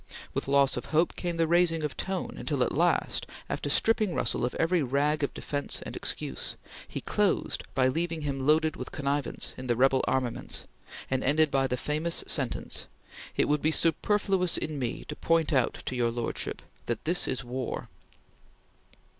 With loss of hope came the raising of tone, until at last, after stripping Russell of every rag of defence and excuse, he closed by leaving him loaded with connivance in the rebel armaments, and ended by the famous sentence: "It would be superfluous in me to point out to your lordship that this is war!"